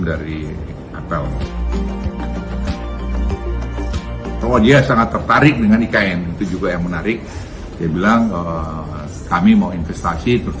dari apel kalau dia sangat tertarik dengan ikn itu juga yang menarik dia bilang kami mau investasi terus